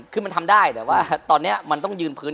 คือมันทำได้แต่ว่าตอนนี้มันต้องยืนพื้น